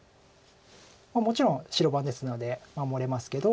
もちろん白番ですので守れますけど。